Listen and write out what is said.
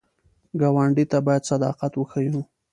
ګاونډي ته باید صداقت وښیو